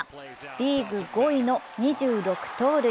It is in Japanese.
リーグ５位の２６盗塁。